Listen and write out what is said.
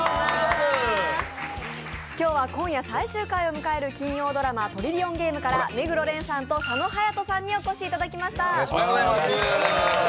今日は今夜最終回を迎える金曜ドラマ「トリリオンゲーム」から目黒蓮さんと佐野勇斗さんにお越しいただきました。